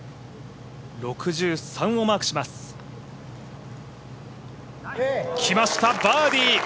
６３をマークします。来ました、バーディー。